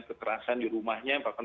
kekerasan di rumahnya bahkan